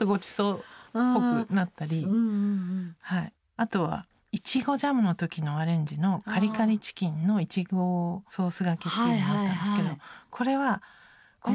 あとは苺ジャムの時のアレンジの「カリカリチキンの苺ソースがけ」っていうのがあったんですけどこれはこの。